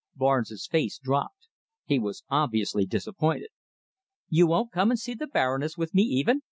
Barnes' face dropped. He was obviously disappointed. "You won't come and see the Baroness with me even?"